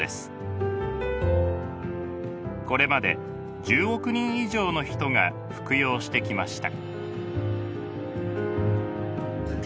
これまで１０億人以上の人が服用してきました。